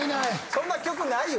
そんな曲ないよ。